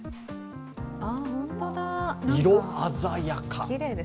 色鮮やか。